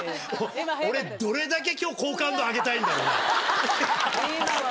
俺、どれだけきょう、好感度上げたいんだろうな。